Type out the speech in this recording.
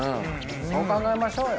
そう考えましょうよ。